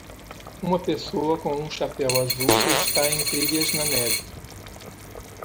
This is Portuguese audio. Uma pessoa com um chapéu azul está em trilhas na neve.